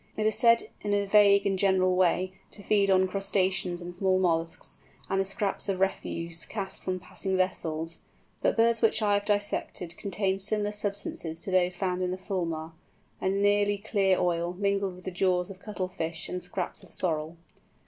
It is said, in a vague and general way, to feed on crustaceans and small molluscs, and the scraps of refuse cast from passing vessels, but birds which I have dissected contained similar substances to those found in the Fulmar—a nearly clear oil, mingled with the jaws of cuttlefish, and scraps of sorrel.